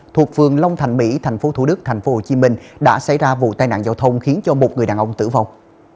thuộc vườn long thành mỹ thành phố thủ đức thành phố hồ chí minh đã xảy ra vụ tai nạn giao thông khiến một người đàn ông tử vong